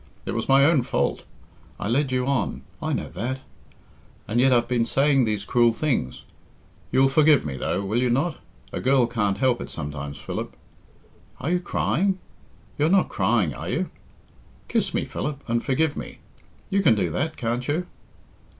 It was my own fault. I led you on I know that. And yet I've been saying these cruel things. You'll forgive me, though, will you not? A girl can't help it sometimes, Philip. Are you crying? You are not crying, are you? Kiss me, Philip, and forgive me. You can do that, can't you?"